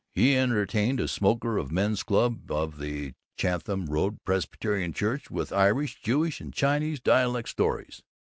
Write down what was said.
He entertained a Smoker of the Men's Club of the Chatham Road Presbyterian Church with Irish, Jewish, and Chinese dialect stories.